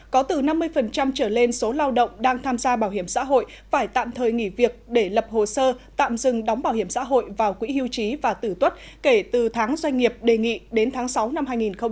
có từ năm mươi trở lên số lao động đang tham gia bảo hiểm xã hội phải tạm thời nghỉ việc để lập hồ sơ tạm dừng đóng bảo hiểm xã hội vào quỹ hưu trí và tử tuất kể từ tháng doanh nghiệp đề nghị đến tháng sáu năm hai nghìn hai mươi